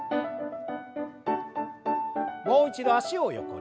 もう一度脚を横に。